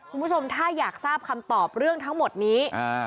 คุณผู้ชมถ้าอยากทราบคำตอบเรื่องทั้งหมดนี้